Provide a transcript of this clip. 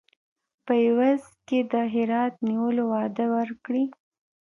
په عوض کې د هرات نیولو وعده ورکړي.